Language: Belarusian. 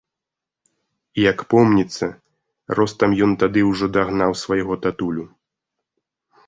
Як помніцца, ростам ён тады ўжо дагнаў свайго татулю.